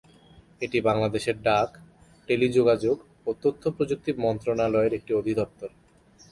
এটি বাংলাদেশের ডাক, টেলিযোগাযোগ ও তথ্যপ্রযুক্তি মন্ত্রণালয়ের একটি অধিদপ্তর।